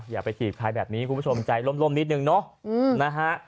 อย่าไปถีบใครแบบนี้คุณผู้ชมใจร่มนิดหนึ่งนะ